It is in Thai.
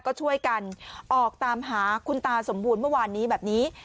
ก็ช่วยกันออกตามหาคุณตาสมบูรณ์เมื่อวานนี้แบบนี้